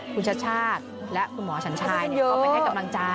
คุณชาติชาติและคุณหมอฉันชายก็ไปให้กำลังใจ